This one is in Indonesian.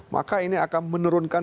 maka ini akan menurunkan